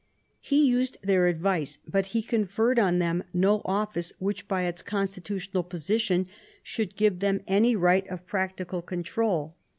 He used their advice, but he conferred on them no office which by its constitutional position should give them any right of practical control.